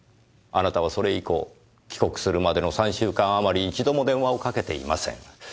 あなたはそれ以降帰国するまでの３週間あまり一度も電話をかけていません。